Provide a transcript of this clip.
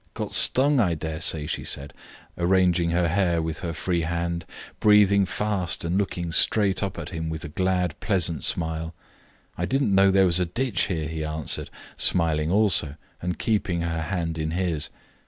"Got stung, I daresay?" she said, arranging her hair with her free hand, breathing fast and looking straight up at him with a glad, pleasant smile. "I did not know there was a ditch here," he answered, smiling also, and keeping her hand in his.